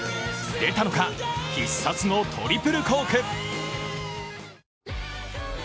出たのか、必殺のトリプルコーク！